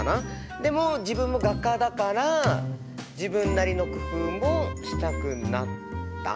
でも自分も画家だから自分なりの工夫もしたくなった？